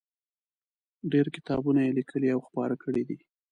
ډېر کتابونه یې لیکلي او خپاره کړي دي.